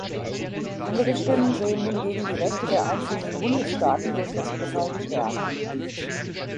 Andere Stimmen sehen hingegen die Rechte der einzelnen Bundesstaaten durch das Urteil gestärkt.